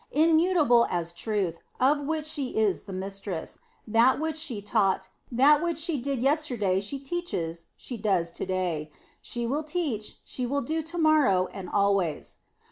Immutable as truth, of which she is the mistress, that which she taught, that which she did yesterday, she teaches, she does to day; she will teach, she will do to morrow and always.